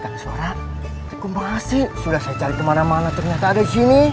tidak suara akumulasi sudah saya cari kemana mana ternyata ada di sini